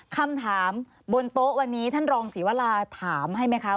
คำถามบนโต๊ะวันนี้ท่านรองศรีวราถามให้ไหมคะ